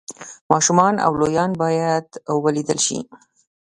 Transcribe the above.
ماشومان او لویان باید ولېږدول شي